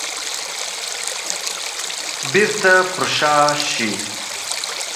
بيرته پر شا شي.